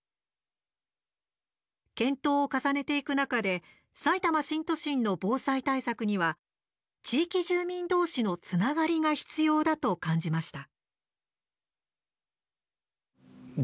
検討を重ねていく中でさいたま新都心の防災対策には地域住民どうしのつながりが必要だと感じました。